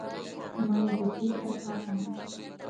Maykupita kapan